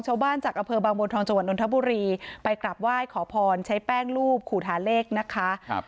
ชาวบ้านจากอำเภอบางบัวทองจังหวัดนทบุรีไปกลับไหว้ขอพรใช้แป้งรูปขู่หาเลขนะคะครับ